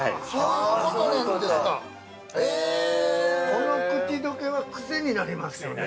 ◆この口どけは癖になりますよね。